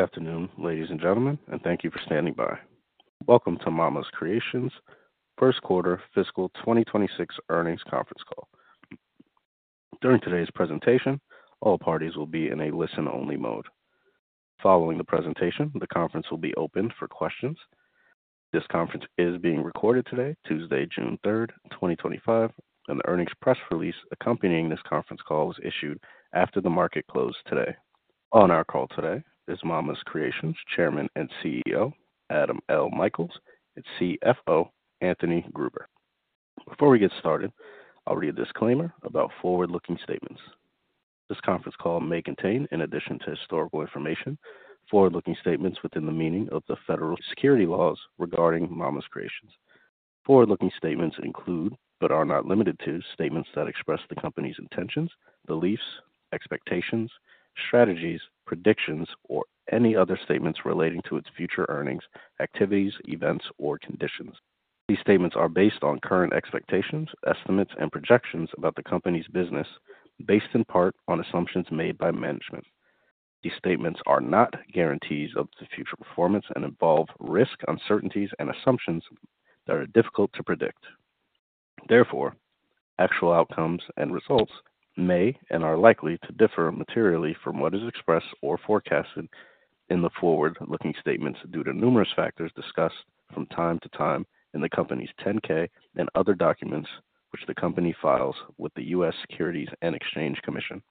Good afternoon, ladies and gentlemen, and thank you for standing by. Welcome to Mama's Creations, first quarter fiscal 2026 earnings conference call. During today's presentation, all parties will be in a listen-only mode. Following the presentation, the conference will be open for questions. This conference is being recorded today, Tuesday, June 3rd, 2025, and the earnings press release accompanying this conference call was issued after the market closed today. On our call today is Mama's Creations Chairman and CEO, Adam L. Michaels, and CFO, Anthony Gruber. Before we get started, I'll read a disclaimer about forward-looking statements. This conference call may contain, in addition to historical information, forward-looking statements within the meaning of the federal security laws regarding Mama's Creations. Forward-looking statements include, but are not limited to, statements that express the company's intentions, beliefs, expectations, strategies, predictions, or any other statements relating to its future earnings, activities, events, or conditions. These statements are based on current expectations, estimates, and projections about the company's business, based in part on assumptions made by management. These statements are not guarantees of future performance and involve risk, uncertainties, and assumptions that are difficult to predict. Therefore, actual outcomes and results may and are likely to differ materially from what is expressed or forecasted in the forward-looking statements due to numerous factors discussed from time to time in the company's 10-K and other documents which the company files with the U.S. Securities and Exchange Commission.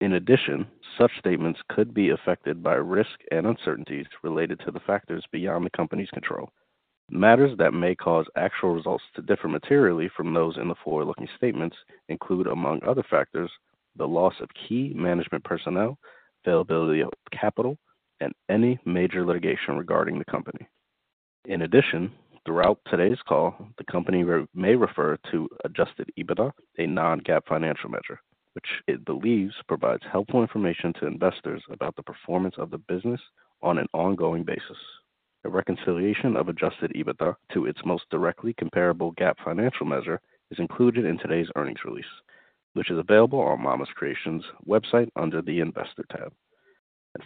In addition, such statements could be affected by risk and uncertainties related to the factors beyond the company's control. Matters that may cause actual results to differ materially from those in the forward-looking statements include, among other factors, the loss of key management personnel, availability of capital, and any major litigation regarding the company. In addition, throughout today's call, the company may refer to adjusted EBITDA, a non-GAAP financial measure, which it believes provides helpful information to investors about the performance of the business on an ongoing basis. A reconciliation of adjusted EBITDA to its most directly comparable GAAP financial measure is included in today's earnings release, which is available on Mama's Creations website under the investor tab.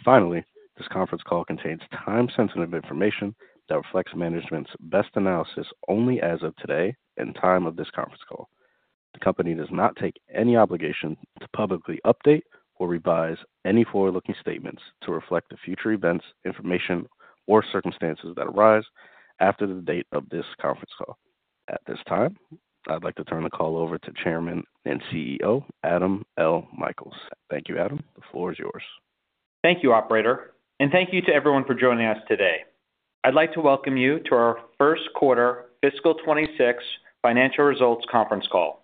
Finally, this conference call contains time-sensitive information that reflects management's best analysis only as of today and time of this conference call. The company does not take any obligation to publicly update or revise any forward-looking statements to reflect the future events, information, or circumstances that arise after the date of this conference call. At this time, I'd like to turn the call over to Chairman and CEO, Adam L. Michaels. Thank you, Adam. The floor is yours. Thank you, Operator, and thank you to everyone for joining us today. I'd like to welcome you to our first quarter fiscal 2026 financial results conference call.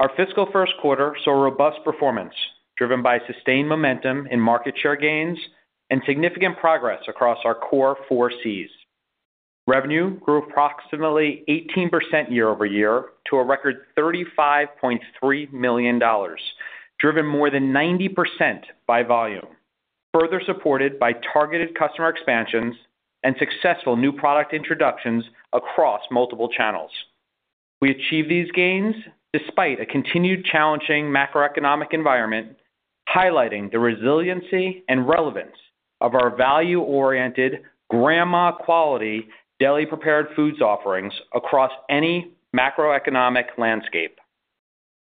Our fiscal first quarter saw robust performance driven by sustained momentum in market share gains and significant progress across our core four Cs. Revenue grew approximately 18% year-over-year to a record $35.3 million, driven more than 90% by volume, further supported by targeted customer expansions and successful new product introductions across multiple channels. We achieved these gains despite a continued challenging macroeconomic environment, highlighting the resiliency and relevance of our value-oriented, grandma-quality deli-prepared foods offerings across any macroeconomic landscape.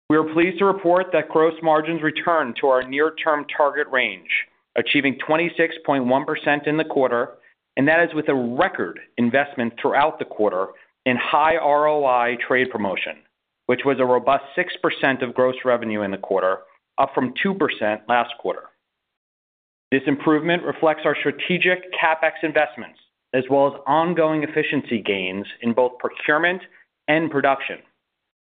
We are pleased to report that gross margins returned to our near-term target range, achieving 26.1% in the quarter, and that is with a record investment throughout the quarter in high ROI trade promotion, which was a robust 6% of gross revenue in the quarter, up from 2% last quarter. This improvement reflects our strategic CapEx investments as well as ongoing efficiency gains in both procurement and production.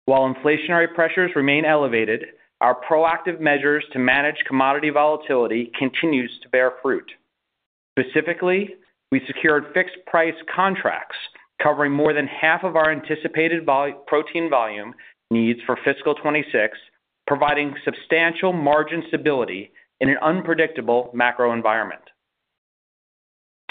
While inflationary pressures remain elevated, our proactive measures to manage commodity volatility continue to bear fruit. Specifically, we secured fixed-price contracts covering more than half of our anticipated protein volume needs for fiscal 2026, providing substantial margin stability in an unpredictable macro environment.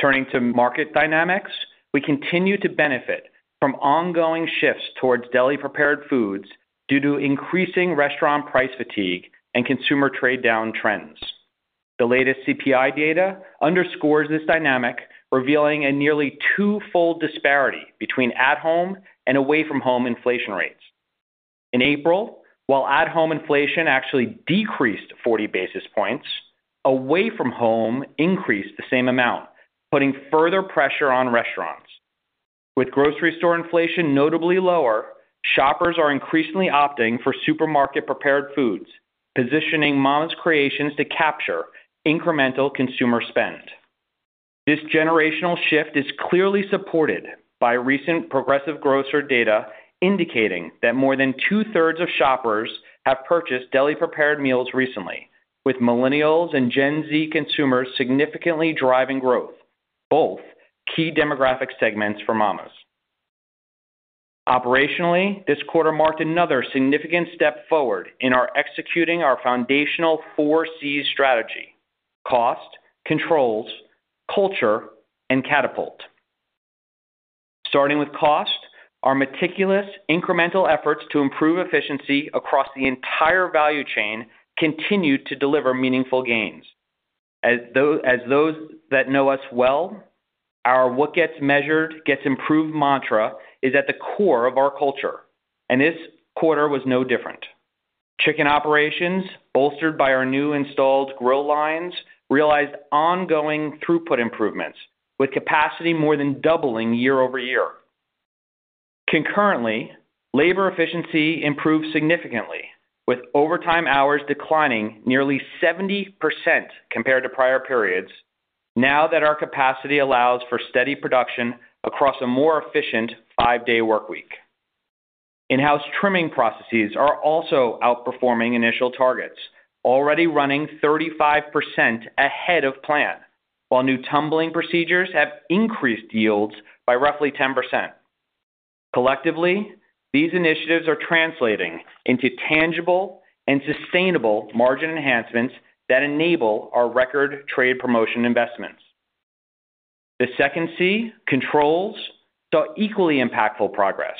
Turning to market dynamics, we continue to benefit from ongoing shifts towards daily prepared foods due to increasing restaurant price fatigue and consumer trade-down trends. The latest CPI data underscores this dynamic, revealing a nearly twofold disparity between at-home and away-from-home inflation rates. In April, while at-home inflation actually decreased 40 basis points, away-from-home increased the same amount, putting further pressure on restaurants. With grocery store inflation notably lower, shoppers are increasingly opting for supermarket-prepared foods, positioning Mama's Creations to capture incremental consumer spend. This generational shift is clearly supported by recent Progressive Grocer data indicating that more than two-thirds of shoppers have purchased daily prepared meals recently, with millennials and Gen Z consumers significantly driving growth, both key demographic segments for Mama's. Operationally, this quarter marked another significant step forward in our executing our foundational four C strategy: cost, controls, culture, and catapult. Starting with cost, our meticulous incremental efforts to improve efficiency across the entire value chain continued to deliver meaningful gains. As those that know us well, our "what gets measured gets improved" mantra is at the core of our culture, and this quarter was no different. Chicken operations, bolstered by our new installed grill lines, realized ongoing throughput improvements, with capacity more than doubling year-over-year. Concurrently, labor efficiency improved significantly, with overtime hours declining nearly 70% compared to prior periods, now that our capacity allows for steady production across a more efficient five-day workweek. In-house trimming processes are also outperforming initial targets, already running 35% ahead of plan, while new tumbling procedures have increased yields by roughly 10%. Collectively, these initiatives are translating into tangible and sustainable margin enhancements that enable our record trade promotion investments. The second C, controls, saw equally impactful progress.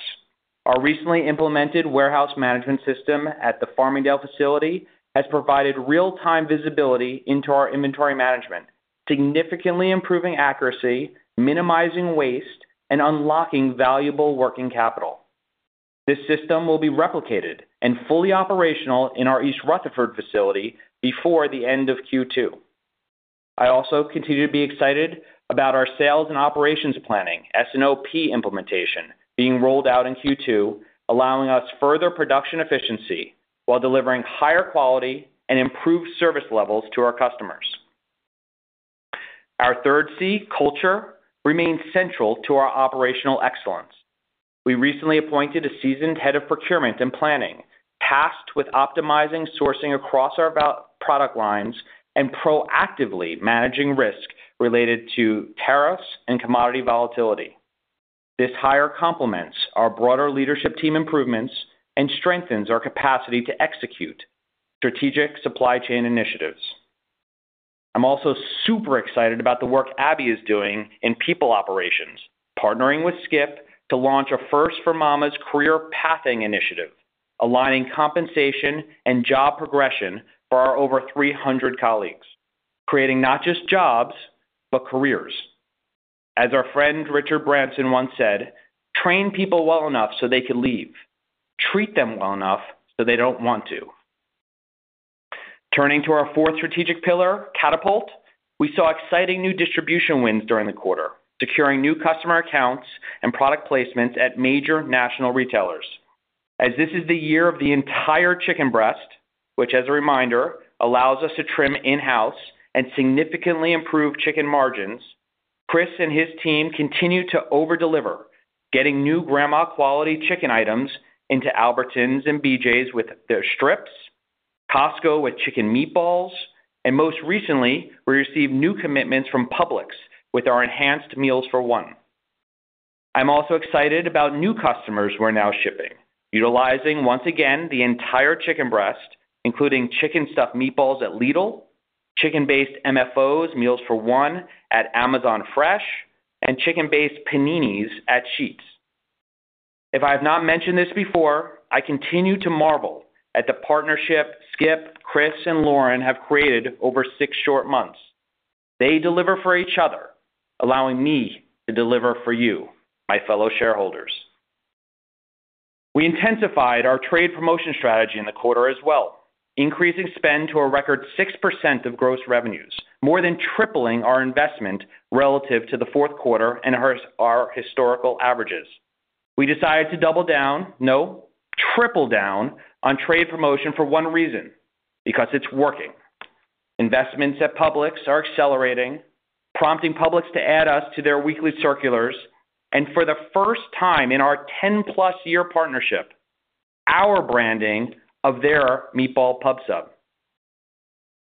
Our recently implemented warehouse management system at the Farmingdale facility has provided real-time visibility into our inventory management, significantly improving accuracy, minimizing waste, and unlocking valuable working capital. This system will be replicated and fully operational in our East Rutherford facility before the end of Q2. I also continue to be excited about our sales and operations planning, S&OP implementation, being rolled out in Q2, allowing us further production efficiency while delivering higher quality and improved service levels to our customers. Our third C, culture, remains central to our operational excellence. We recently appointed a seasoned head of procurement and planning, tasked with optimizing sourcing across our product lines and proactively managing risk related to tariffs and commodity volatility. This hire complements our broader leadership team improvements and strengthens our capacity to execute strategic supply chain initiatives. I'm also super excited about the work Abby is doing in people operations, partnering with Skip to launch a first-for-Mama's career pathing initiative, aligning compensation and job progression for our over 300 colleagues, creating not just jobs, but careers. As our friend Richard Branson once said, "Train people well enough so they can leave. Treat them well enough so they don't want to." Turning to our fourth strategic pillar, catapult, we saw exciting new distribution wins during the quarter, securing new customer accounts and product placements at major national retailers. As this is the year of the entire chicken breast, which, as a reminder, allows us to trim in-house and significantly improve chicken margins, Chris and his team continue to overdeliver, getting new grandma-quality chicken items into Albertsons and BJ's with their strips, Costco with chicken meatballs, and most recently, we received new commitments from Publix with our enhanced Meals for One. I'm also excited about new customers we're now shipping, utilizing once again the entire chicken breast, including chicken stuffed meatballs at Lidl, chicken-based Meals for One at Amazon Fresh, and chicken-based paninis at Sheetz. If I have not mentioned this before, I continue to marvel at the partnership Skip, Chris, and Lauren have created over six short months. They deliver for each other, allowing me to deliver for you, my fellow shareholders. We intensified our trade promotion strategy in the quarter as well, increasing spend to a record 6% of gross revenues, more than tripling our investment relative to the fourth quarter and our historical averages. We decided to double down, no, triple down on trade promotion for one reason: because it's working. Investments at Publix are accelerating, prompting Publix to add us to their weekly circulars, and for the first time in our 10-plus year partnership, our branding of their meatball pub sub.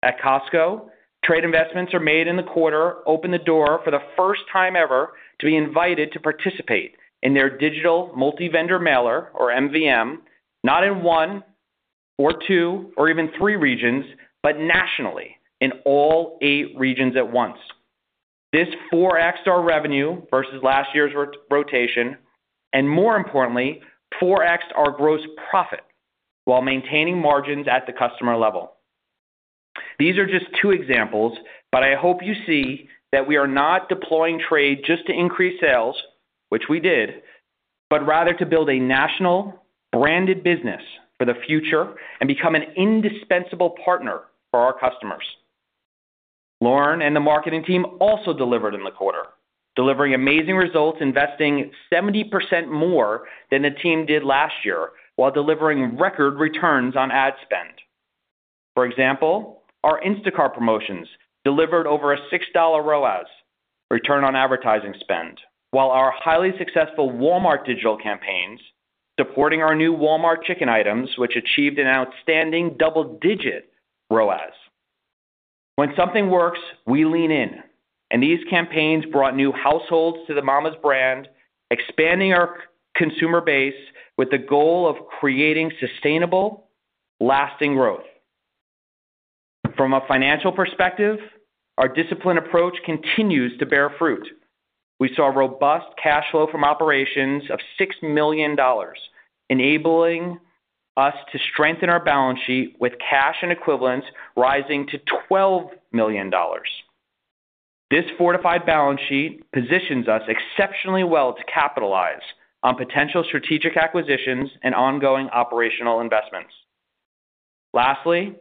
At Costco, trade investments are made in the quarter, open the door for the first time ever to be invited to participate in their digital multi-vendor mailer, or MVM, not in one or two or even three regions, but nationally in all eight regions at once. This four-Xed our revenue versus last year's rotation, and more importantly, four-Xed our gross profit while maintaining margins at the customer level. These are just two examples, but I hope you see that we are not deploying trade just to increase sales, which we did, but rather to build a national branded business for the future and become an indispensable partner for our customers. Lauren and the marketing team also delivered in the quarter, delivering amazing results, investing 70% more than the team did last year while delivering record returns on ad spend. For example, our Instacart promotions delivered over a $6 ROAS, return on advertising spend, while our highly successful Walmart digital campaigns supporting our new Walmart chicken items, which achieved an outstanding double-digit ROAS. When something works, we lean in, and these campaigns brought new households to the Mama's brand, expanding our consumer base with the goal of creating sustainable, lasting growth. From a financial perspective, our disciplined approach continues to bear fruit. We saw robust cash flow from operations of $6 million, enabling us to strengthen our balance sheet with cash and equivalents rising to $12 million. This fortified balance sheet positions us exceptionally well to capitalize on potential strategic acquisitions and ongoing operational investments. Lastly,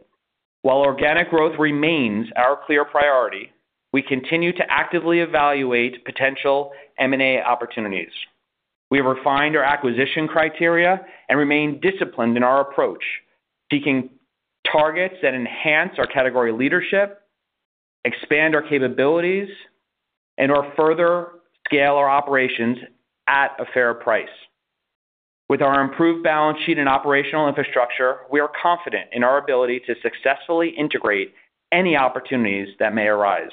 while organic growth remains our clear priority, we continue to actively evaluate potential M&A opportunities. We have refined our acquisition criteria and remain disciplined in our approach, seeking targets that enhance our category leadership, expand our capabilities, and/or further scale our operations at a fair price. With our improved balance sheet and operational infrastructure, we are confident in our ability to successfully integrate any opportunities that may arise.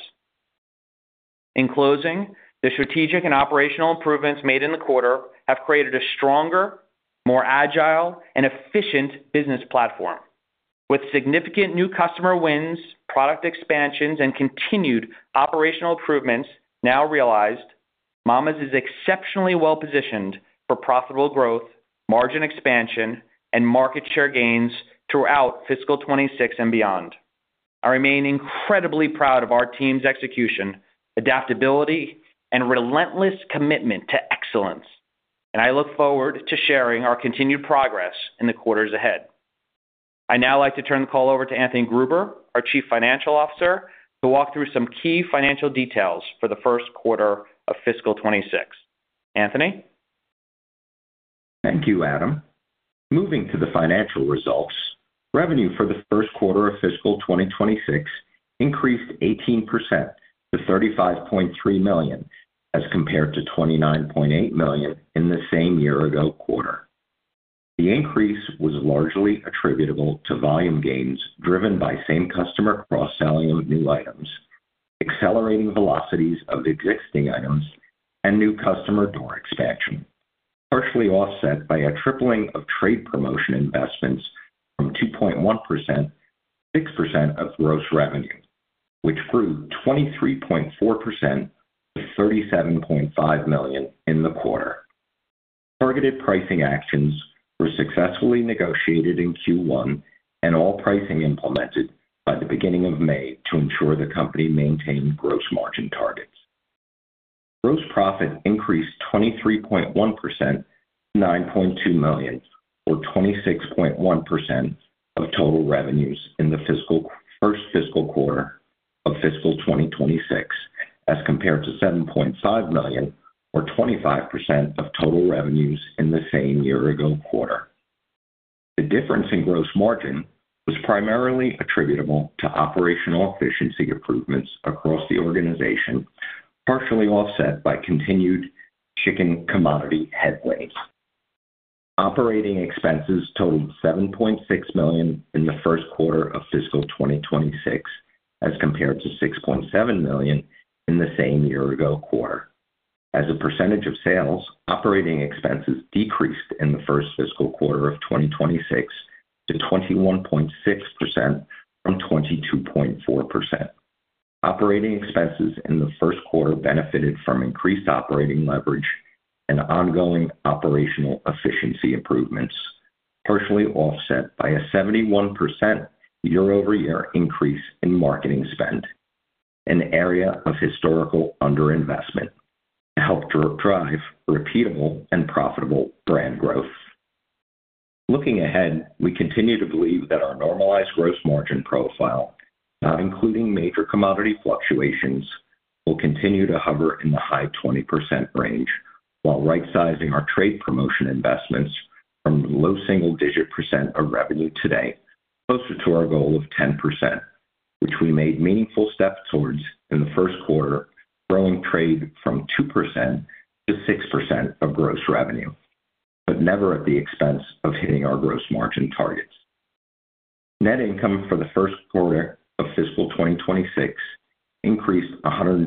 In closing, the strategic and operational improvements made in the quarter have created a stronger, more agile, and efficient business platform. With significant new customer wins, product expansions, and continued operational improvements now realized, Mama's is exceptionally well-positioned for profitable growth, margin expansion, and market share gains throughout fiscal 2026 and beyond. I remain incredibly proud of our team's execution, adaptability, and relentless commitment to excellence, and I look forward to sharing our continued progress in the quarters ahead. I now like to turn the call over to Anthony Gruber, our Chief Financial Officer, to walk through some key financial details for the first quarter of fiscal 2026. Anthony? Thank you, Adam. Moving to the financial results, revenue for the first quarter of fiscal 2026 increased 18% to $35.3 million as compared to $29.8 million in the same year-ago quarter. The increase was largely attributable to volume gains driven by same-customer cross-selling of new items, accelerating velocities of existing items, and new customer door expansion, partially offset by a tripling of trade promotion investments from 2.1% to 6% of gross revenue, which grew 23.4% to $37.5 million in the quarter. Targeted pricing actions were successfully negotiated in Q1 and all pricing implemented by the beginning of May to ensure the company maintained gross margin targets. Gross profit increased 23.1% to $9.2 million, or 26.1% of total revenues in the first fiscal quarter of fiscal 2026, as compared to $7.5 million, or 25% of total revenues in the same year-ago quarter. The difference in gross margin was primarily attributable to operational efficiency improvements across the organization, partially offset by continued chicken commodity headways. Operating expenses totaled $7.6 million in the first quarter of fiscal 2026, as compared to $6.7 million in the same year-ago quarter. As a percentage of sales, operating expenses decreased in the first fiscal quarter of 2026 to 21.6% from 22.4%. Operating expenses in the first quarter benefited from increased operating leverage and ongoing operational efficiency improvements, partially offset by a 71% year-over-year increase in marketing spend, an area of historical underinvestment to help drive repeatable and profitable brand growth. Looking ahead, we continue to believe that our normalized gross margin profile, not including major commodity fluctuations, will continue to hover in the high 20% range, while right-sizing our trade promotion investments from the low single-digit % of revenue today, closer to our goal of 10%, which we made meaningful steps towards in the first quarter, growing trade from 2% to 6% of gross revenue, but never at the expense of hitting our gross margin targets. Net income for the first quarter of fiscal 2026 increased 123%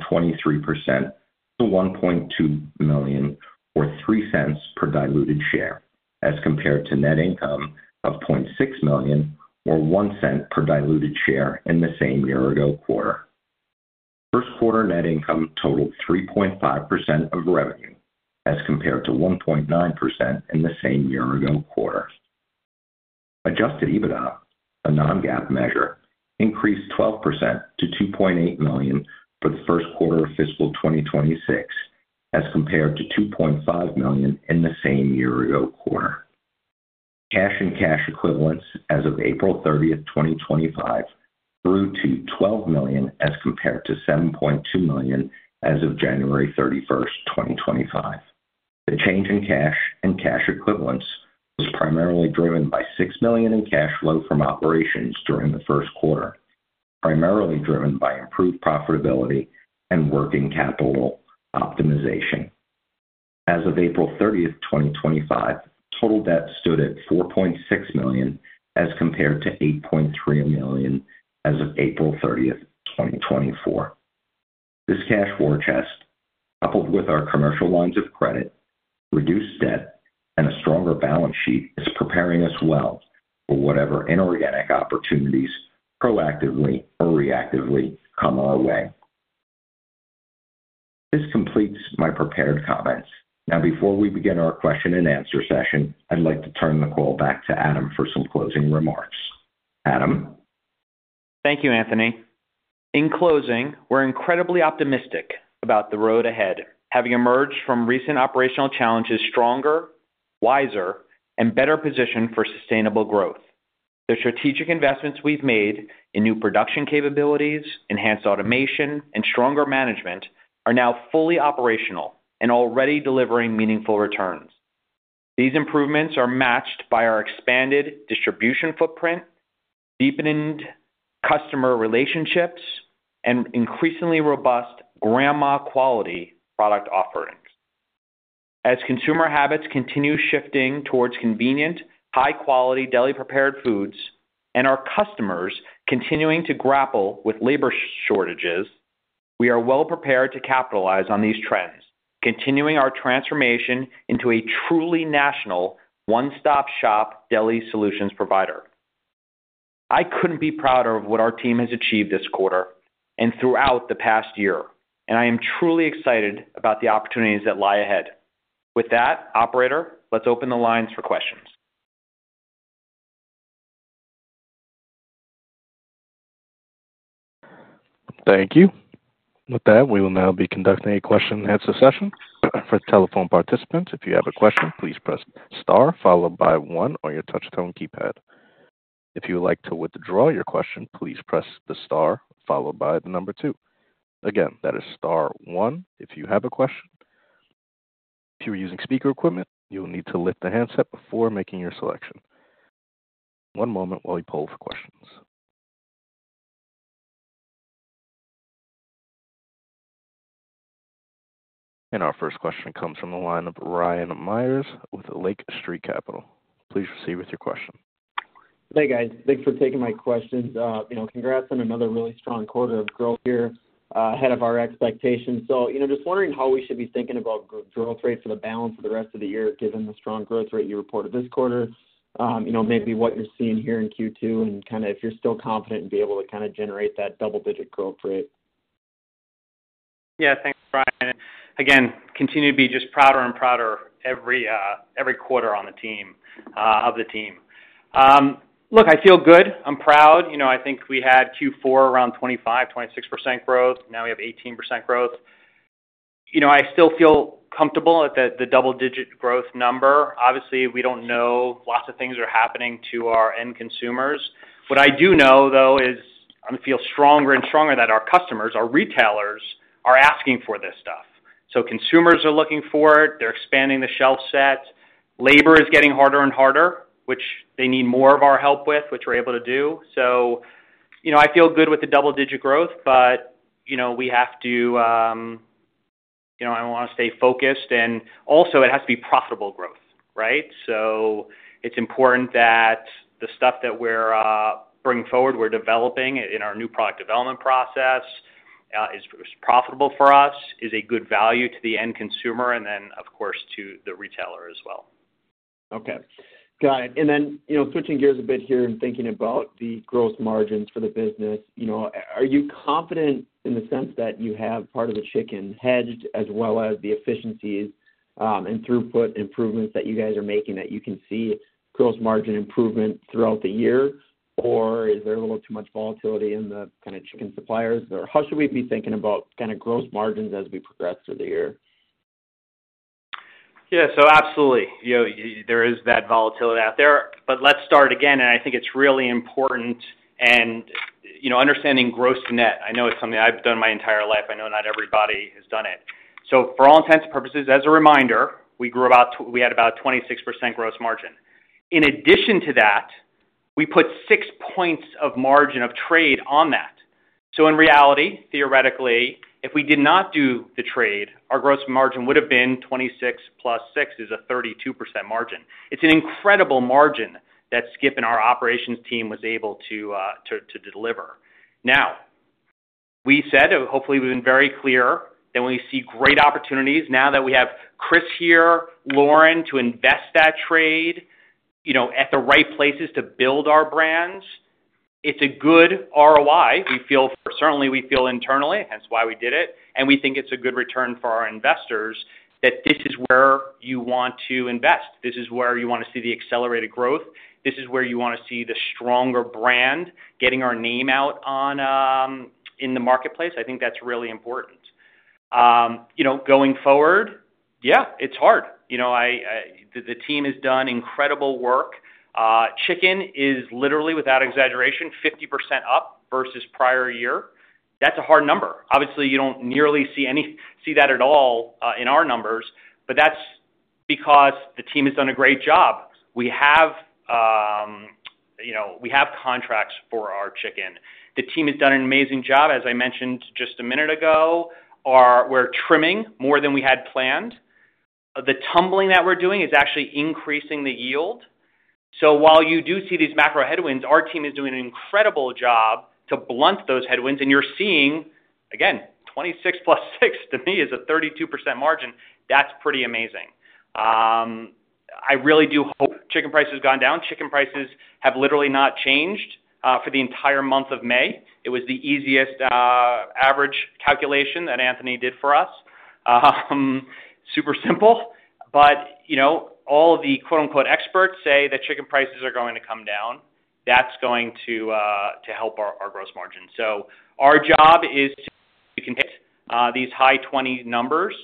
to $1.2 million, or $0.03 per diluted share, as compared to net income of $0.6 million, or $0.01 per diluted share in the same year-ago quarter. First quarter net income totaled 3.5% of revenue, as compared to 1.9% in the same year-ago quarter. Adjusted EBITDA, a non-GAAP measure, increased 12% to $2.8 million for the first quarter of fiscal 2026, as compared to $2.5 million in the same year-ago quarter. Cash and cash equivalents as of April 30th, 2025, grew to $12 million as compared to $7.2 million as of January 31st, 2025. The change in cash and cash equivalents was primarily driven by $6 million in cash flow from operations during the first quarter, primarily driven by improved profitability and working capital optimization. As of April 30th, 2025, total debt stood at $4.6 million, as compared to $8.3 million as of April 30th, 2024. This cash war chest, coupled with our commercial lines of credit, reduced debt, and a stronger balance sheet, is preparing us well for whatever inorganic opportunities proactively or reactively come our way. This completes my prepared comments. Now, before we begin our question-and-answer session, I'd like to turn the call back to Adam for some closing remarks. Adam. Thank you, Anthony. In closing, we're incredibly optimistic about the road ahead, having emerged from recent operational challenges stronger, wiser, and better positioned for sustainable growth. The strategic investments we've made in new production capabilities, enhanced automation, and stronger management are now fully operational and already delivering meaningful returns. These improvements are matched by our expanded distribution footprint, deepened customer relationships, and increasingly robust grandma-quality product offerings. As consumer habits continue shifting towards convenient, high-quality deli-prepared foods and our customers continuing to grapple with labor shortages, we are well-prepared to capitalize on these trends, continuing our transformation into a truly national one-stop-shop deli solutions provider. I couldn't be prouder of what our team has achieved this quarter and throughout the past year, and I am truly excited about the opportunities that lie ahead. With that, Operator, let's open the lines for questions. Thank you. With that, we will now be conducting a question-and-answer session. For telephone participants, if you have a question, please press Star followed by one on your touch-tone keypad. If you would like to withdraw your question, please press the Star followed by the number two. Again, that is Star one if you have a question. If you are using speaker equipment, you will need to lift the handset before making your selection. One moment while we poll for questions. Our first question comes from the line of Ryan Meyers with Lake Street Capital. Please proceed with your question. Hey, guys. Thanks for taking my questions. Congrats on another really strong quarter of growth here, ahead of our expectations. Just wondering how we should be thinking about growth rate for the balance of the rest of the year, given the strong growth rate you reported this quarter, maybe what you're seeing here in Q2, and kind of if you're still confident and be able to kind of generate that double-digit growth rate. Yeah. Thanks, Ryan. Again, continue to be just prouder and prouder every quarter of the team. Look, I feel good. I'm proud. I think we had Q4 around 25%-26% growth. Now we have 18% growth. I still feel comfortable at the double-digit growth number. Obviously, we don't know. Lots of things are happening to our end consumers. What I do know, though, is I feel stronger and stronger that our customers, our retailers, are asking for this stuff. Consumers are looking for it. They're expanding the shelf set. Labor is getting harder and harder, which they need more of our help with, which we're able to do. I feel good with the double-digit growth, but we have to—I want to stay focused. It has to be profitable growth, right? It's important that the stuff that we're bringing forward, we're developing in our new product development process, is profitable for us, is a good value to the end consumer, and then, of course, to the retailer as well. Okay. Got it. Switching gears a bit here and thinking about the gross margins for the business, are you confident in the sense that you have part of the chicken hedged as well as the efficiencies and throughput improvements that you guys are making that you can see gross margin improvement throughout the year? Or is there a little too much volatility in the kind of chicken suppliers? Or how should we be thinking about kind of gross margins as we progress through the year? Yeah. Absolutely. There is that volatility out there. Let's start again. I think it's really important in understanding gross net. I know it's something I've done my entire life. I know not everybody has done it. For all intents and purposes, as a reminder, we had about 26% gross margin. In addition to that, we put six points of margin of trade on that. In reality, theoretically, if we did not do the trade, our gross margin would have been 26% + 6% is a 32% margin. It's an incredible margin that Skip and our operations team was able to deliver. Now, we said, hopefully, we've been very clear that we see great opportunities now that we have Chris here, Lauren, to invest that trade at the right places to build our brands. It's a good ROI, certainly, we feel internally, hence why we did it. And we think it's a good return for our investors that this is where you want to invest. This is where you want to see the accelerated growth. This is where you want to see the stronger brand getting our name out in the marketplace. I think that's really important. Going forward, yeah, it's hard. The team has done incredible work. Chicken is literally, without exaggeration, 50% up versus prior year. That's a hard number. Obviously, you don't nearly see that at all in our numbers, but that's because the team has done a great job. We have contracts for our chicken. The team has done an amazing job, as I mentioned just a minute ago. We're trimming more than we had planned. The tumbling that we're doing is actually increasing the yield. While you do see these macro headwinds, our team is doing an incredible job to blunt those headwinds. You're seeing, again, 26% + 6%, to me, is a 32% margin. That's pretty amazing. I really do hope chicken prices have gone down. Chicken prices have literally not changed for the entire month of May. It was the easiest average calculation that Anthony did for us. Super simple. All the "experts" say that chicken prices are going to come down. That's going to help our gross margin. Our job is to hit these high 20% numbers.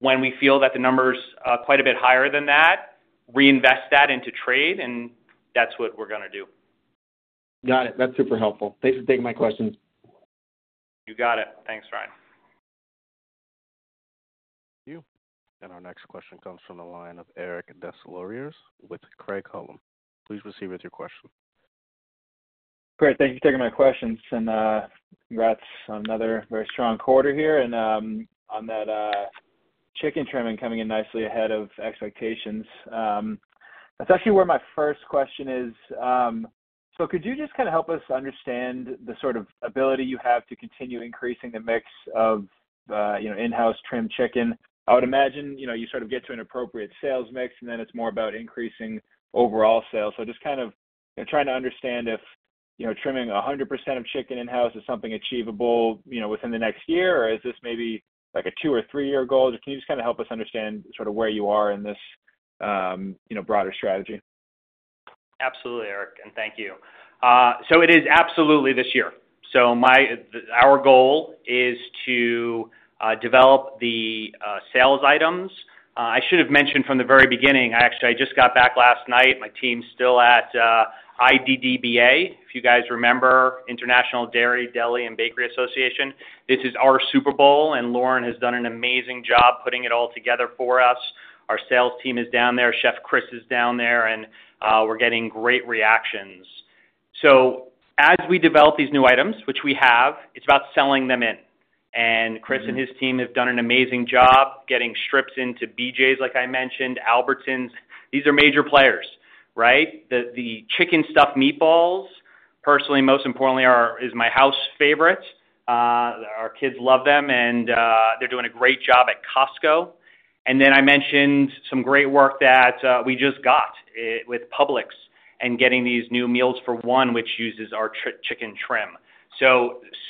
When we feel that the number's quite a bit higher than that, reinvest that into trade, and that's what we're going to do. Got it. That's super helpful. Thanks for taking my questions. You got it. Thanks, Ryan. Thank you. Our next question comes from the line of Eric Des Lauriers with Craig-Hallum. Please proceed with your question. Great. Thank you for taking my questions. Congrats on another very strong quarter here. On that chicken trimming coming in nicely ahead of expectations, that's actually where my first question is. Could you just kind of help us understand the sort of ability you have to continue increasing the mix of in-house trim chicken? I would imagine you sort of get to an appropriate sales mix, and then it's more about increasing overall sales. Just kind of trying to understand if trimming 100% of chicken in-house is something achievable within the next year, or is this maybe a two or three-year goal? Or can you just kind of help us understand sort of where you are in this broader strategy? Absolutely, Eric. And thank you. It is absolutely this year. Our goal is to develop the sales items. I should have mentioned from the very beginning, actually, I just got back last night. My team's still at IDDBA, if you guys remember, International Dairy Deli and Bakery Association. This is our Super Bowl, and Lauren has done an amazing job putting it all together for us. Our sales team is down there. Chef Chris is down there, and we're getting great reactions. As we develop these new items, which we have, it's about selling them in. Chris and his team have done an amazing job getting strips into BJ's, like I mentioned, Albertsons. These are major players, right? The chicken stuffed meatballs, personally, most importantly, are my house favorites. Our kids love them, and they're doing a great job at Costco. I mentioned some great work that we just got with Publix and getting these new Meals for One, which uses our chicken trim.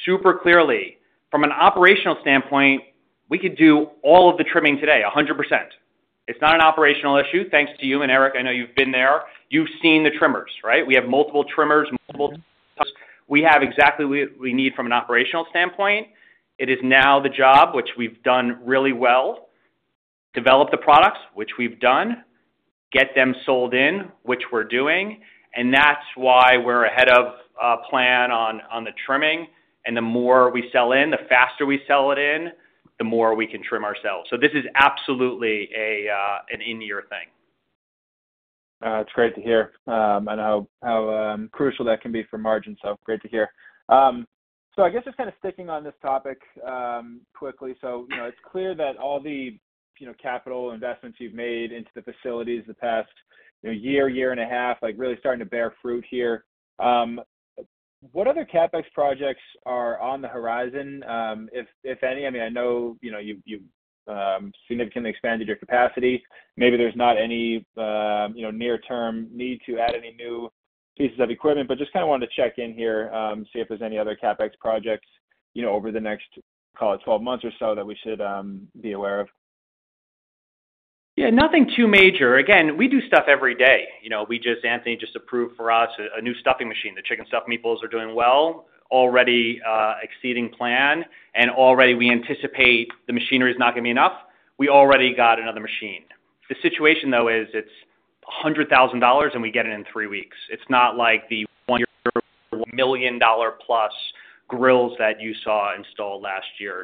Super clearly, from an operational standpoint, we could do all of the trimming today, 100%. It's not an operational issue. Thanks to you and Eric. I know you've been there. You've seen the trimmers, right? We have multiple trimmers, multiple types. We have exactly what we need from an operational standpoint. It is now the job, which we've done really well, develop the products, which we've done, get them sold in, which we're doing. That is why we're ahead of plan on the trimming. The more we sell in, the faster we sell it in, the more we can trim ourselves. This is absolutely an in-year thing. It is great to hear and how crucial that can be for margin. Great to hear. I guess just kind of sticking on this topic quickly. It is clear that all the capital investments you have made into the facilities the past year, year and a half, are really starting to bear fruit here. What other CapEx projects are on the horizon, if any? I mean, I know you have significantly expanded your capacity. Maybe there is not any near-term need to add any new pieces of equipment. Just kind of wanted to check in here, see if there's any other CapEx projects over the next, call it, 12 months or so that we should be aware of. Yeah. Nothing too major. Again, we do stuff every day. Anthony just approved for us a new stuffing machine. The chicken stuffed meatballs are doing well, already exceeding plan. Already we anticipate the machinery is not going to be enough. We already got another machine. The situation, though, is it's $100,000, and we get it in three weeks. It's not like the one-year million-dollar-plus grills that you saw installed last year.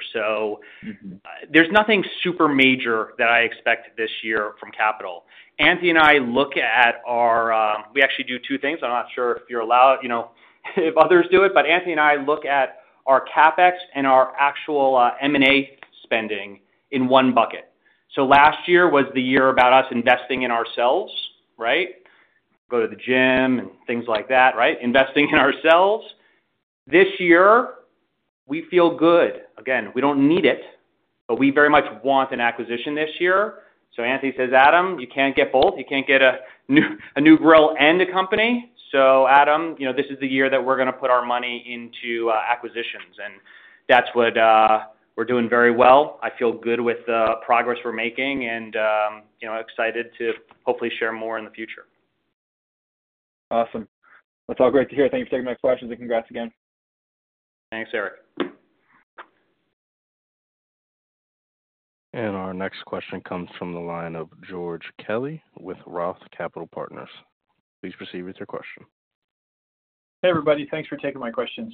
There's nothing super major that I expect this year from Capital. Anthony and I look at our—we actually do two things. I'm not sure if you're allowed if others do it. Anthony and I look at our CapEx and our actual M&A spending in one bucket. Last year was the year about us investing in ourselves, right? Go to the gym and things like that, right? Investing in ourselves. This year, we feel good. Again, we do not need it, but we very much want an acquisition this year. Anthony says, "Adam, you cannot get both. You cannot get a new grill and a company." Adam, this is the year that we are going to put our money into acquisitions. That is what we are doing very well. I feel good with the progress we are making and excited to hopefully share more in the future. Awesome. That is all great to hear. Thank you for taking my questions. Congrats again. Thanks, Eric. Our next question comes from the line of George Kelly with Roth Capital Partners. Please proceed with your question. Hey, everybody. Thanks for taking my questions.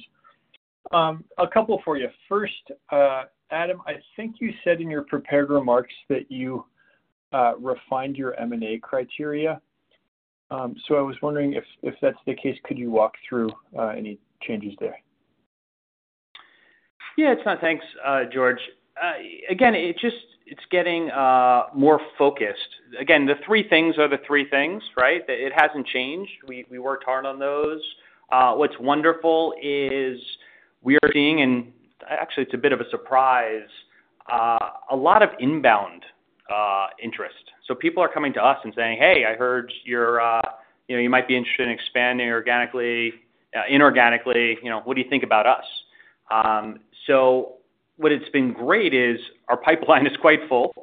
A couple for you. First, Adam, I think you said in your prepared remarks that you refined your M&A criteria. So I was wondering if that's the case, could you walk through any changes there? Yeah. Thanks, George. Again, it's getting more focused. Again, the three things are the three things, right? It hasn't changed. We worked hard on those. What's wonderful is we are seeing, and actually, it's a bit of a surprise, a lot of inbound interest. So people are coming to us and saying, "Hey, I heard you might be interested in expanding organically, inorganically. What do you think about us?" What has been great is our pipeline is quite full.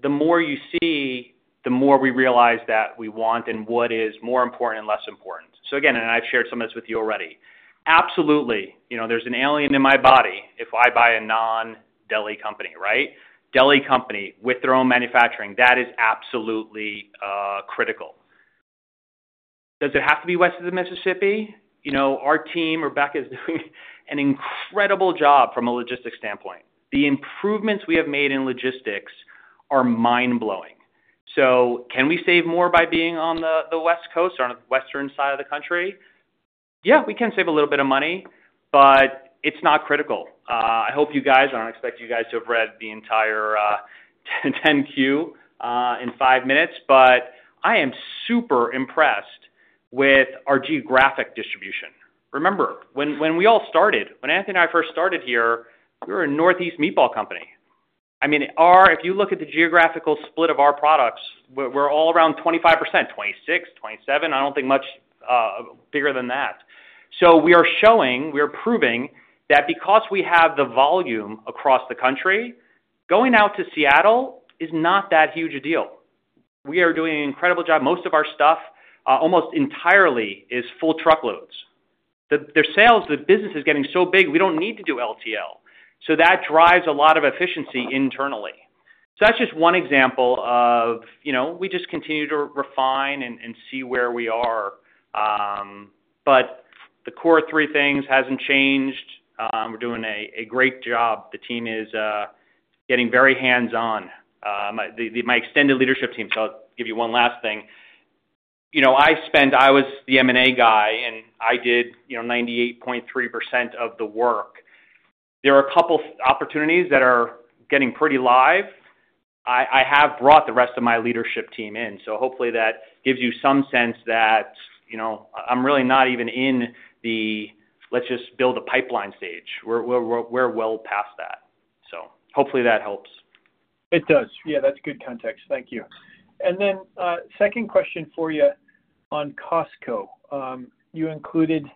The more you see, the more we realize what we want and what is more important and less important. Again, and I have shared some of this with you already. Absolutely. There is an alien in my body if I buy a non-deli company, right? Deli company with their own manufacturing, that is absolutely critical. Does it have to be West of the Mississippi? Our team, Rebecca, is doing an incredible job from a logistics standpoint. The improvements we have made in logistics are mind-blowing. Can we save more by being on the West Coast, on the western side of the country? Yeah, we can save a little bit of money, but it is not critical. I hope you guys—I do not expect you guys to have read the entire 10Q in five minutes—but I am super impressed with our geographic distribution. Remember, when we all started, when Anthony and I first started here, we were a Northeast meatball company. I mean, if you look at the geographical split of our products, we're all around 25%, 26%, 27%. I don't think much bigger than that. We are showing, we are proving that because we have the volume across the country, going out to Seattle is not that huge a deal. We are doing an incredible job. Most of our stuff, almost entirely, is full truckloads. Their sales, the business is getting so big, we don't need to do LTL. That drives a lot of efficiency internally. That's just one example of we just continue to refine and see where we are. The core three things hasn't changed. We're doing a great job. The team is getting very hands-on. My extended leadership team, so I'll give you one last thing. I was the M&A guy, and I did 98.3% of the work. There are a couple of opportunities that are getting pretty live. I have brought the rest of my leadership team in. Hopefully, that gives you some sense that I'm really not even in the, "Let's just build a pipeline stage." We're well past that. Hopefully, that helps. It does. Yeah. That's good context. Thank you. Second question for you on Costco. You included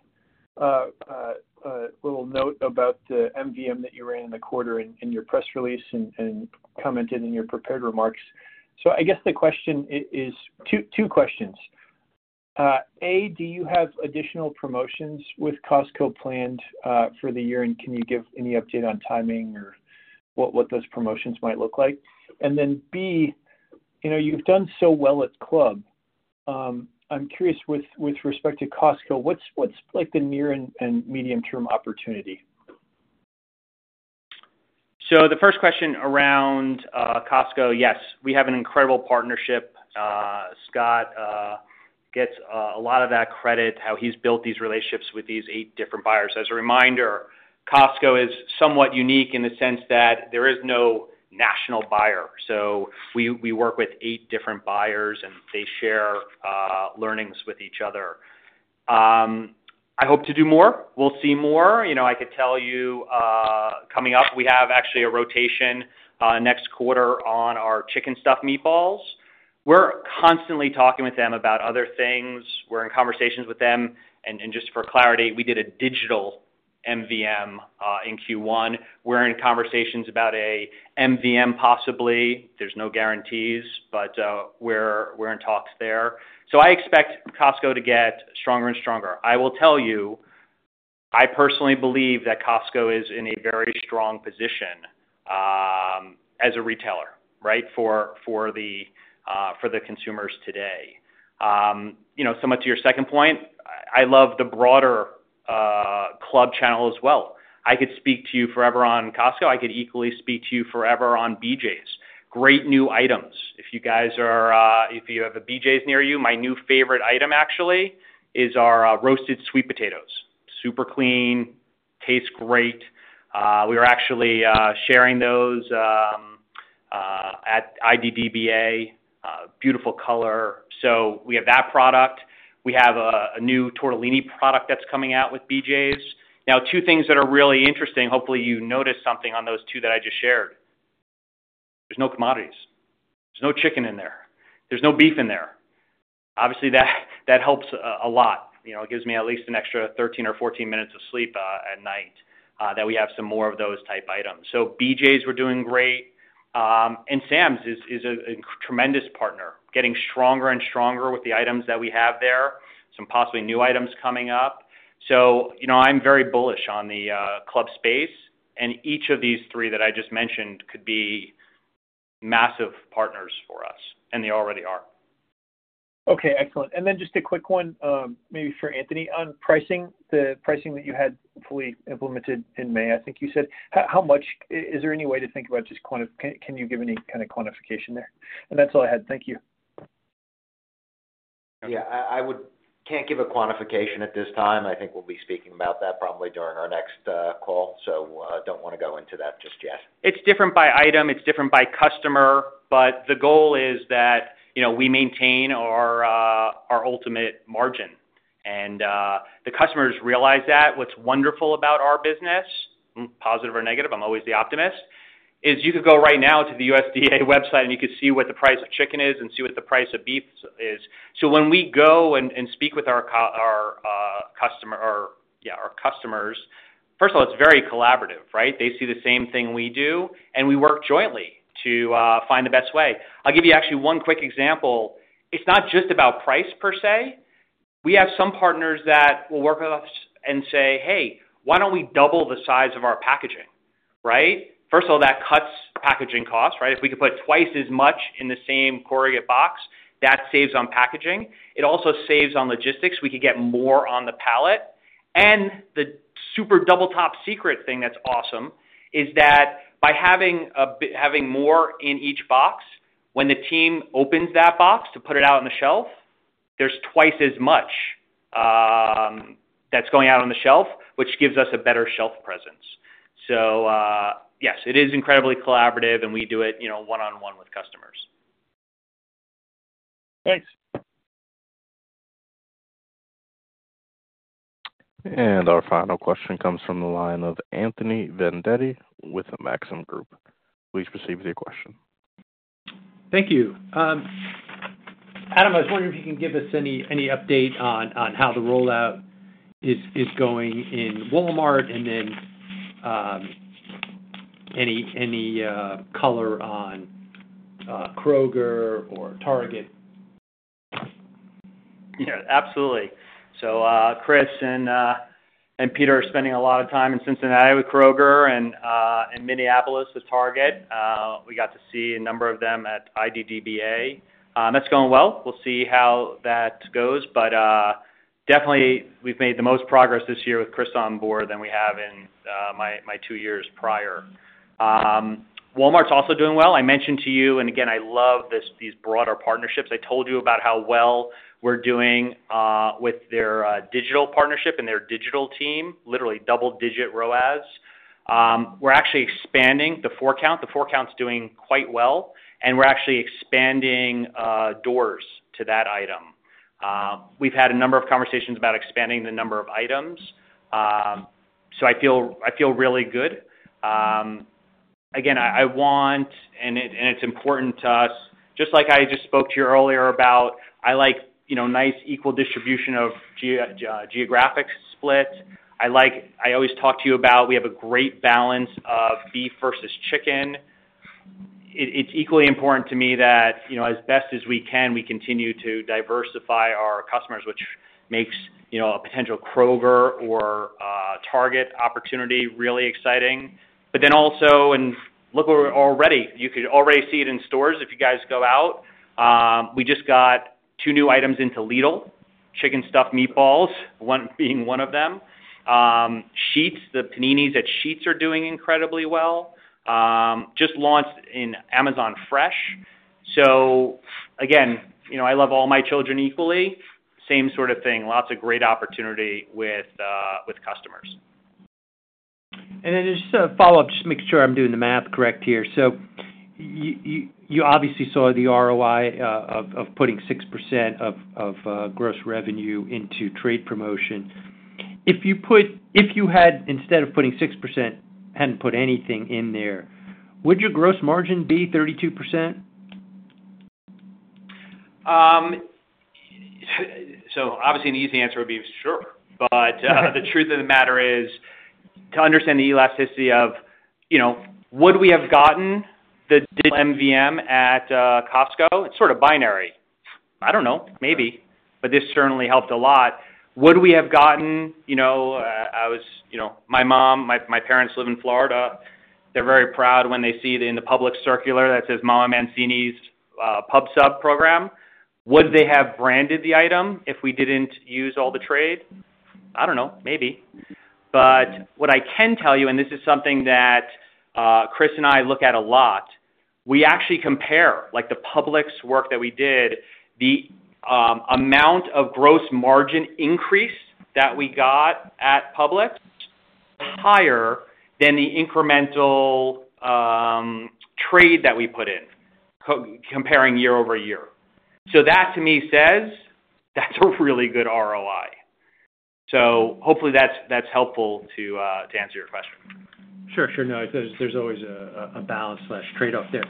a little note about the MVM that you ran in the quarter in your press release and commented in your prepared remarks. I guess the question is two questions. A, do you have additional promotions with Costco planned for the year, and can you give any update on timing or what those promotions might look like? B, you've done so well at Club. I'm curious, with respect to Costco, what's the near and medium-term opportunity? The first question around Costco, yes, we have an incredible partnership. Scott gets a lot of that credit, how he's built these relationships with these eight different buyers. As a reminder, Costco is somewhat unique in the sense that there is no national buyer. We work with eight different buyers, and they share learnings with each other. I hope to do more. We'll see more. I could tell you coming up, we have actually a rotation next quarter on our chicken stuffed meatballs. We're constantly talking with them about other things. We're in conversations with them. Just for clarity, we did a digital MVM in Q1. We're in conversations about an MVM possibly. There's no guarantees, but we're in talks there. I expect Costco to get stronger and stronger. I will tell you, I personally believe that Costco is in a very strong position as a retailer, right, for the consumers today. Much to your second point, I love the broader Club channel as well. I could speak to you forever on Costco. I could equally speak to you forever on BJ's. Great new items. If you guys are—if you have a BJ's near you, my new favorite item, actually, is our roasted sweet potatoes. Super clean, tastes great. We were actually sharing those at IDDBA. Beautiful color. We have that product. We have a new tortellini product that's coming out with BJ's. Now, two things that are really interesting. Hopefully, you noticed something on those two that I just shared. There's no commodities. There's no chicken in there. There's no beef in there. Obviously, that helps a lot. It gives me at least an extra 13 or 14 minutes of sleep at night that we have some more of those type items. So BJ's, we're doing great. And Sam's is a tremendous partner, getting stronger and stronger with the items that we have there. Some possibly new items coming up. I'm very bullish on the Club space. Each of these three that I just mentioned could be massive partners for us, and they already are. Okay. Excellent. And then just a quick one maybe for Anthony on pricing, the pricing that you had fully implemented in May, I think you said. Is there any way to think about just kind of—can you give any kind of quantification there? That's all I had. Thank you. Yeah. I can't give a quantification at this time. I think we'll be speaking about that probably during our next call. I do not want to go into that just yet. It is different by item. It is different by customer. The goal is that we maintain our ultimate margin. The customers realize that. What is wonderful about our business, positive or negative, I am always the optimist, is you could go right now to the USDA website, and you could see what the price of chicken is and see what the price of beef is. When we go and speak with our customers, first of all, it is very collaborative, right? They see the same thing we do, and we work jointly to find the best way. I will give you actually one quick example. It is not just about price per se. We have some partners that will work with us and say, "Hey, why do we not double the size of our packaging?" First of all, that cuts packaging costs, right? If we could put twice as much in the same corrugate box, that saves on packaging. It also saves on logistics. We could get more on the pallet. The super double-top secret thing that's awesome is that by having more in each box, when the team opens that box to put it out on the shelf, there's twice as much that's going out on the shelf, which gives us a better shelf presence. Yes, it is incredibly collaborative, and we do it one-on-one with customers. Thanks. Our final question comes from the line of Anthony Vendetti with Maxim Group. Please proceed with your question. Thank you. Adam, I was wondering if you can give us any update on how the rollout is going in Walmart and then any color on Kroger or Target. Yeah. Absolutely. Chris and Peter are spending a lot of time in Cincinnati with Kroger and Minneapolis with Target. We got to see a number of them at IDDBA. That's going well. We'll see how that goes. Definitely, we've made the most progress this year with Chris on board than we have in my two years prior. Walmart's also doing well. I mentioned to you, and again, I love these broader partnerships. I told you about how well we're doing with their digital partnership and their digital team, literally double-digit ROAS. We're actually expanding the Four Count. The Four Count's doing quite well. We're actually expanding doors to that item. We've had a number of conversations about expanding the number of items. I feel really good. Again, I want—and it's important to us—just like I just spoke to you earlier about I like nice equal distribution of geographic split. I always talk to you about we have a great balance of beef versus chicken. It's equally important to me that as best as we can, we continue to diversify our customers, which makes a potential Kroger or Target opportunity really exciting. You could already see it in stores if you guys go out. We just got two new items into Lidl, chicken stuffed meatballs, one being one of them. Sheetz, the paninis at Sheetz are doing incredibly well. Just launched in Amazon Fresh. I love all my children equally. Same sort of thing. Lots of great opportunity with customers. And then just a follow-up, just to make sure I'm doing the math correct here. You obviously saw the ROI of putting 6% of gross revenue into trade promotion. If you had, instead of putting 6%, had not put anything in there, would your gross margin be 32%? Obviously, the easy answer would be sure. The truth of the matter is, to understand the elasticity of would we have gotten the digital MVM at Costco? It is sort of binary. I do not know. Maybe. This certainly helped a lot. Would we have gotten—I was—my mom, my parents live in Florida. They are very proud when they see it in the Publix circular that says Mama Mancini's Pub/Sub program. Would they have branded the item if we did not use all the trade? I do not know. Maybe. What I can tell you, and this is something that Chris and I look at a lot, we actually compare the Publix work that we did, the amount of gross margin increase that we got at Publix is higher than the incremental trade that we put in, comparing year over year. That, to me, says that's a really good ROI. Hopefully, that's helpful to answer your question. Sure. Sure. No. There's always a balance/trade-off there.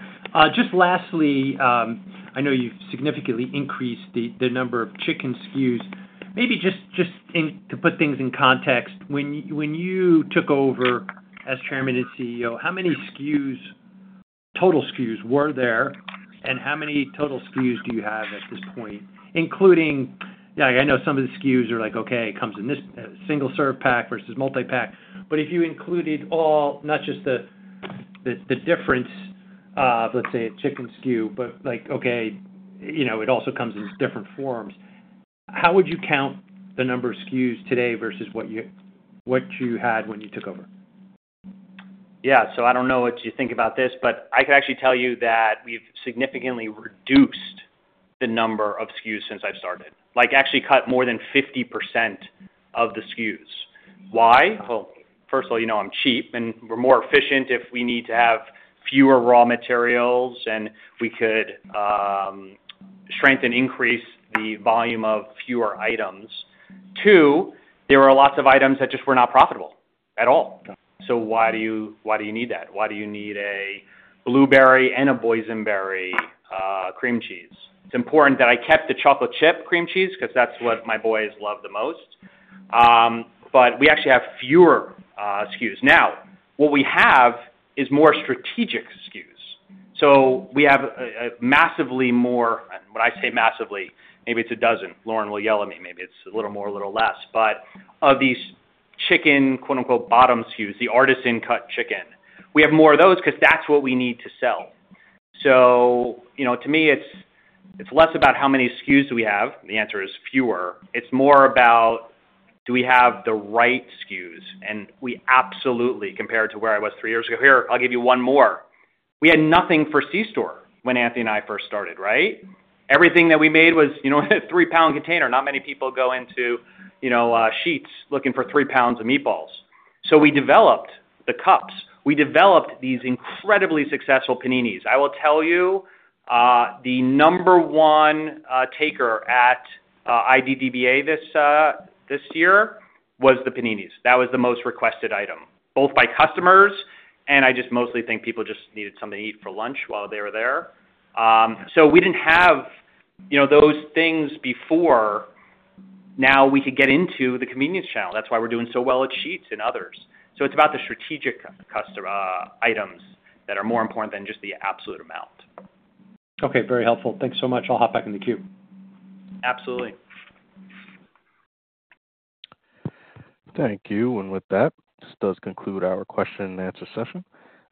Just lastly, I know you've significantly increased the number of chicken SKUs. Maybe just to put things in context, when you took over as Chairman and CEO, how many total SKUs were there, and how many total SKUs do you have at this point, including—yeah, I know some of the SKUs are like, "Okay, it comes in this single-serve pack versus multi-pack." If you included all, not just the difference of, let's say, a chicken SKU, but like, "Okay, it also comes in different forms," how would you count the number of SKUs today versus what you had when you took over? Yeah. I do not know what you think about this, but I can actually tell you that we have significantly reduced the number of SKUs since I have started, actually cut more than 50% of the SKUs. Why? First of all, I'm cheap, and we're more efficient if we need to have fewer raw materials, and we could strengthen or increase the volume of fewer items. Two, there were lots of items that just were not profitable at all. Why do you need that? Why do you need a blueberry and a boysenberry cream cheese? It's important that I kept the chocolate chip cream cheese because that's what my boys love the most. We actually have fewer SKUs now. What we have is more strategic SKUs. We have massively more—and when I say massively, maybe it's a dozen. Lauren will yell at me. Maybe it's a little more, a little less. Of these chicken "bottom SKUs," the artisan-cut chicken, we have more of those because that's what we need to sell. To me, it's less about how many SKUs we have. The answer is fewer. It's more about do we have the right SKUs? And we absolutely, compared to where I was three years ago, "Here, I'll give you one more." We had nothing for Sheetz when Anthony and I first started, right? Everything that we made was a three-pound container. Not many people go into Sheetz looking for three pounds of meatballs. So we developed the cups. We developed these incredibly successful paninis. I will tell you, the number one taker at IDDBA this year was the paninis. That was the most requested item, both by customers, and I just mostly think people just needed something to eat for lunch while they were there. So we didn't have those things before. Now we could get into the convenience channel. That's why we're doing so well at Sheetz and others. It is about the strategic items that are more important than just the absolute amount. Okay. Very helpful. Thanks so much. I'll hop back in the queue. Absolutely. Thank you. With that, this does conclude our question-and-answer session.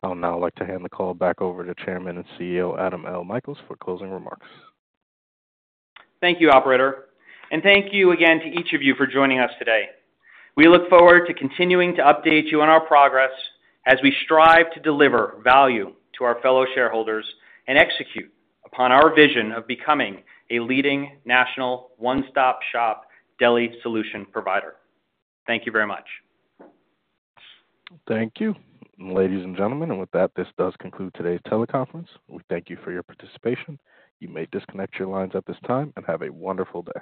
I would now like to hand the call back over to Chairman and CEO Adam L. Michaels for closing remarks. Thank you, operator. Thank you again to each of you for joining us today. We look forward to continuing to update you on our progress as we strive to deliver value to our fellow shareholders and execute upon our vision of becoming a leading national one-stop-shop deli solution provider. Thank you very much. Thank you, ladies and gentlemen. With that, this does conclude today's teleconference. We thank you for your participation. You may disconnect your lines at this time and have a wonderful day.